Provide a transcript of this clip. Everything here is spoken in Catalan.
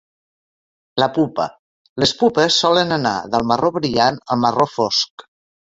La pupa: les pupes solen anar del marró brillant al marró fosc.